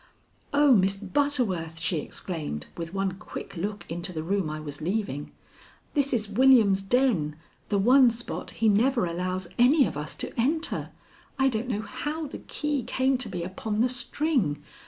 "Oh, Miss Butterworth," she exclaimed, with one quick look into the room I was leaving, "this is William's den, the one spot he never allows any of us to enter. I don't know how the key came to be upon the string.